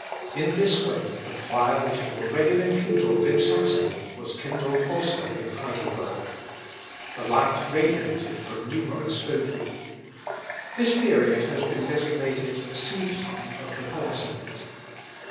In this way the fire which had already been kindled in Saxony was kindled also in Heidelberg. The light radiated from numerous foci. This period has been designated the seed time of the Palatinate.